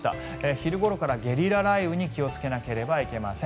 昼頃からゲリラ雷雨に気をつけなければなりません。